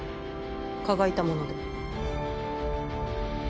蚊がいたもので。